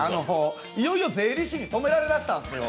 いよいよ税理士に止められだしたんですよ。